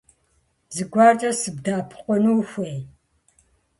Зыгуэркӏэ сыбдэӏэпыкъуну ухуэй?